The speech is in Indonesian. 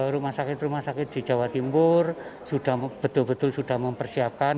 rumah sakit rumah sakit di jawa timur sudah betul betul sudah mempersiapkan